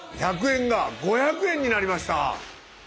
１００円が５００円になりました！